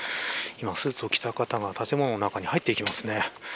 今スーツを着た方が建物の中に入っていきますね。